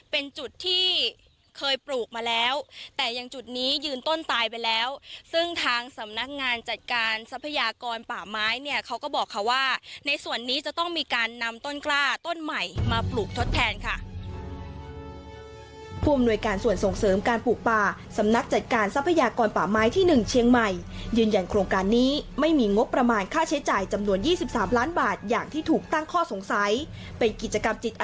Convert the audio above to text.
เป็นจุดที่เคยปลูกมาแล้วแต่ยังจุดนี้ยืนต้นตายไปแล้วซึ่งทางสำนักงานจัดการทรัพยากรป่าไม้เนี่ยเขาก็บอกค่ะว่าในส่วนนี้จะต้องมีการนำต้นกล้าต้นใหม่มาปลูกทดแทนค่ะผู้อำนวยการส่วนส่งเสริมการปลูกป่าสำนักจัดการทรัพยากรป่าไม้ที่๑เชียงใหม่ยืนยันโครงการนี้ไม่มีงบประมาณค่าใช้จ่ายจำนวน๒๓ล้านบาทอย่างที่ถูกตั้งข้อสงสัยเป็นกิจกรรมจิต